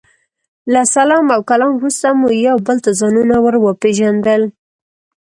له سلام او کلام وروسته مو یو بل ته ځانونه ور وپېژندل.